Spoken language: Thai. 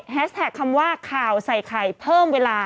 แท็กคำว่าข่าวใส่ไข่เพิ่มเวลา